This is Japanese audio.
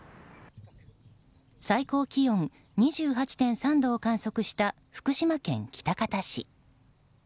最高気温２８．３度を観測した福島県喜多方市。